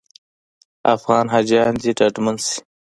افغان حاجیان دې ډاډمن شي.